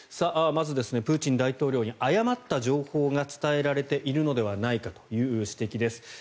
まずプーチン大統領に誤った情報が伝えられているのではないかという指摘です。